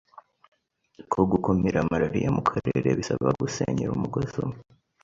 ko gukumira Malariya mu karere bisaba gusenyera umugozi umwe.